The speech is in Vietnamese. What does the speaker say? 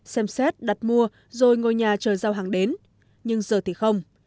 xem xét đặt mua rồi ngôi nhà chờ giao hàng đến nhưng giờ thì không